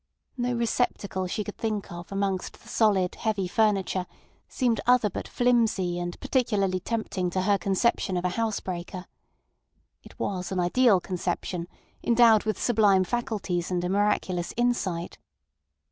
No receptacle she could think of amongst the solid, heavy furniture seemed other but flimsy and particularly tempting to her conception of a house breaker. It was an ideal conception, endowed with sublime faculties and a miraculous insight.